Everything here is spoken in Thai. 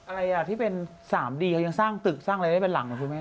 อะไรที่เป็นสามตุ๊กเขายังสร้างอะไรเป็นหลังหรอครูแม่